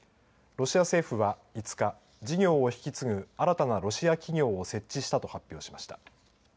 ロシア政府は５日事業を引き継ぐ新たなロシア企業を設置したと発表しました。